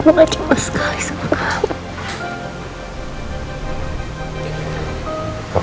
aku gak jelas sekali sama kamu